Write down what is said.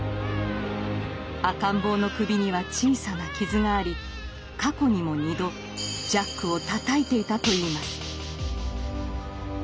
赤ん坊の首には小さな傷があり過去にも二度ジャックをたたいていたといいます。